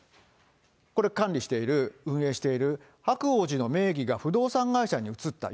これ管理している、運営している白鳳寺の名義が不動産会社に移った。